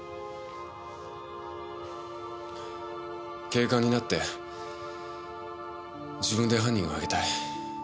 警官になって自分で犯人を挙げたい。